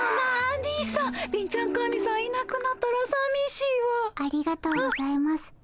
ありがとうございます。